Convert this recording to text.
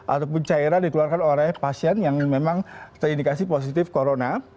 ataupun cairan dikeluarkan oleh pasien yang memang terindikasi positif corona